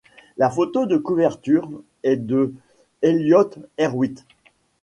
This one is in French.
La photo de couverture est de Elliott Erwitt.